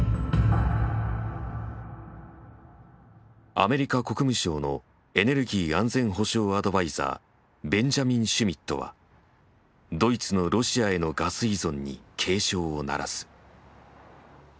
アメリカ国務省のエネルギー安全保障アドバイザーベンジャミン・シュミットはドイツのロシアへのガス依存に警鐘を鳴らす。